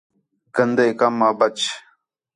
گندے کَم آ ٻچ